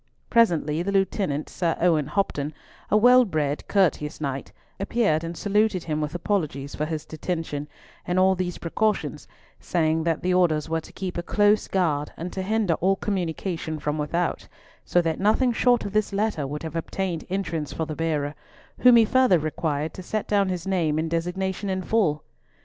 Presently the Lieutenant, Sir Owen Hopton, a well bred courteous knight, appeared and saluted him with apologies for his detention and all these precautions, saying that the orders were to keep a close guard and to hinder all communication from without, so that nothing short of this letter would have obtained entrance for the bearer, whom he further required to set down his name and designation in full.